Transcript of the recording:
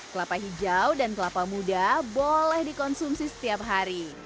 kelapa hijau dan kelapa muda boleh dikonsumsi setiap hari